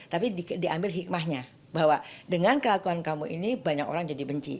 tapi diambil hikmahnya bahwa dengan kelakuan kamu ini banyak orang jadi benci